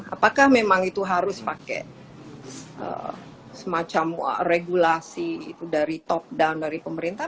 apakah memang itu harus pakai semacam regulasi dari top down dari pemerintah